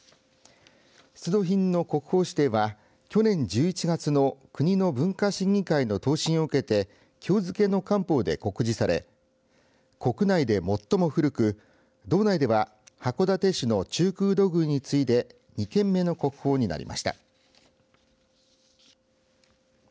出土品の国宝指定は去年１１月の国の文化審議会の答申を受けてきょう付けの官報で告示され国内で最も古く道内では函館市の中空土偶についで２件目の国宝になりました。